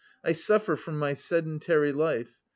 I suffer from my sedentary life...